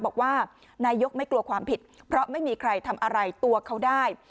บอกว่านายกไม่กลัวความผิดเพราะไม่มีใครทำอะไรตัวเขาได้